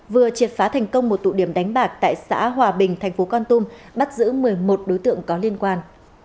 vừa triệt phá thành công một tụ điểm đánh bạc tại xã hòa bình thành phố con tum bắt giữ một mươi một đối tượng có liên quan